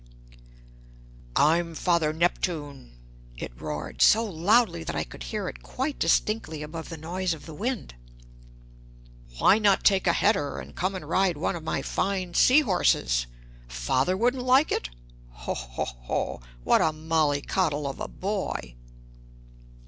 "I'm Father Neptune," it roared, so loudly that I could hear it quite distinctly above the noise of the wind. "Why not take a header, and come and ride one of my fine sea horses? 'Father wouldn't like it?' Ho! ho! ho! What a molly coddle of a boy!"